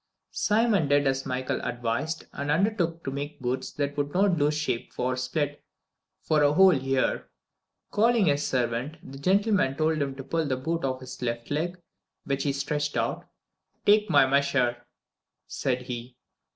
Simon did as Michael advised, and undertook to make boots that would not lose shape or split for a whole year. Calling his servant, the gentleman told him to pull the boot off his left leg, which he stretched out. "Take my measure!" said he.